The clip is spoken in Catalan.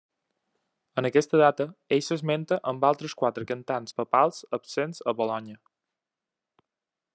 En aquesta data ell s'esmenta amb altres quatre cantants papals absents a Bolonya.